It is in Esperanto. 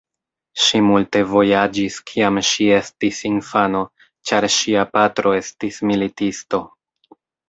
Ŝi multe vojaĝis kiam ŝi estis infano, ĉar ŝia patro estis militisto.